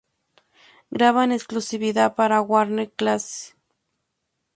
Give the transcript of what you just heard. Graba en exclusividad para Warner Classics.